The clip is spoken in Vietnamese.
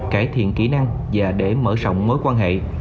cải thiện kỹ năng và để mở rộng mối quan hệ